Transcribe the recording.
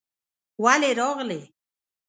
ولې راغلې؟